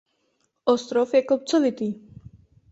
Ostrov je kopcovitý.